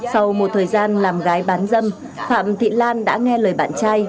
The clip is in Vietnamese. sau một thời gian làm gái bán dâm phạm thị lan đã nghe lời bạn trai